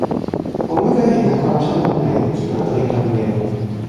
ผมไม่เคยเห็นนักคอร์รัปชันคนไหนคิดว่าตัวเองทำเลว